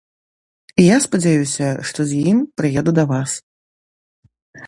Я спадзяюся, што з ім прыеду да вас.